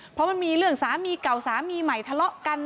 เพราะมันมีเรื่องสามีเก่าสามีใหม่ทะเลาะกัน